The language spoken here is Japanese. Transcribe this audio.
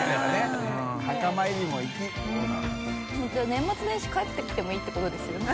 年末年始帰ってきてもいいってことですよね。